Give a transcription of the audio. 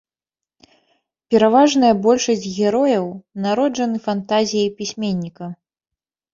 Пераважная большасць герояў народжаны фантазіяй пісьменніка.